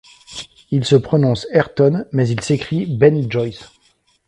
Il se prononce Ayrton, mais il s’écrit Ben Joyce!